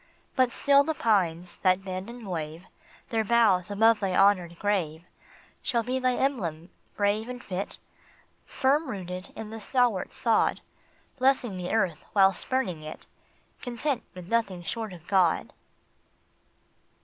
But still the pines that bend and wave Their boughs above thy honored grave Shall be thy emblem brave and fit, Firm rooted in the stalwart sod, Blessing the earth while spurning it, Content with nothing short of God.